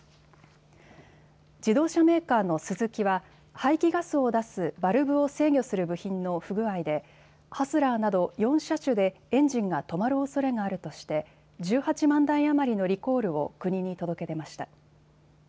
自動車メーカーのスズキは排気ガスを出すバルブを制御する部品の不具合でハスラーなど４車種でエンジンが止まるおそれがあるとして１８万台余りのリコールを国に届け出ました。